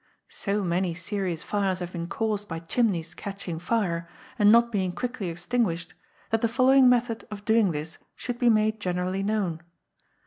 So many serious fires have been caused by chimneys catching fire, and not being quickly extinguished, that the following method of doing this should be made generally known.